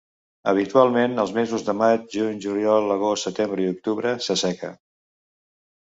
Habitualment, els mesos de maig, juny, juliol, agost, setembre i octubre s'asseca.